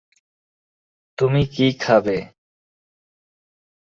তুমি কি খাবে?